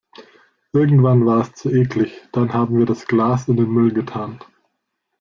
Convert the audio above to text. Irgendwann war es zu eklig, dann haben wir das Glas in den Müll getan.